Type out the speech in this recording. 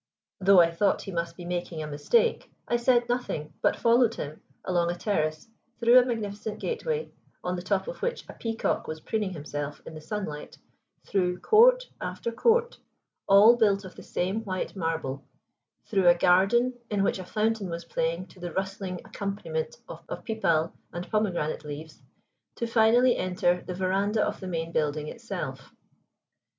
Though I thought he must be making a mistake, I said nothing, but followed him along a terrace, through a magnificent gateway, on the top of which a peacock was preening himself in the sunlight, through court after court, all built of the same white marble, through a garden in which a fountain was playing to the rustling accompaniment of pipal and pomegranate leaves, to finally enter the veranda of the main building itself.